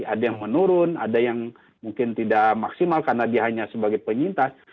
ada yang menurun ada yang mungkin tidak maksimal karena dia hanya sebagai penyintas